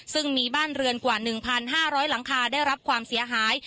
ซึ่งมีบ้านเรือนกว่า๑๕๐๐หลังคาได้รับความเสียหาย